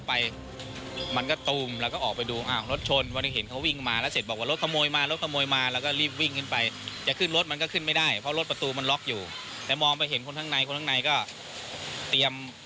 ัก็วิ่งตามมาทันพอดี